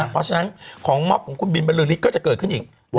เพราะฉะนั้นของม็อปผู้คนบินบรือริฆก็จะเกิดขึ้นอีก